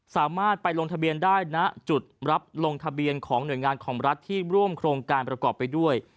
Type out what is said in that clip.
สามารถไปลงทะเบียนได้ณจุดรับลงทะเบียนของหน่วยงานของรัฐที่ร่วมโครงการประกอบไปด้วย